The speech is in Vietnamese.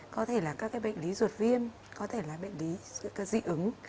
có thể là các cái bệnh lý ruột viêm có thể là bệnh lý các dị ứng